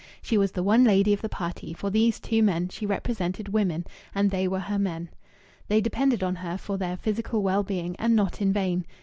She was the one lady of the party; for these two men she represented woman, and they were her men. They depended on her for their physical well being, and not in vain.